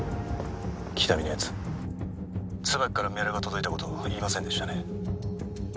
喜多見のやつツバキからメールが届いたこと言いませんでしたね